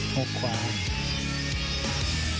๖หมัด